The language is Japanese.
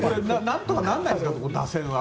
なんとかならないんですか打線は。